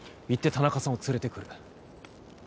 田中さんを連れてくる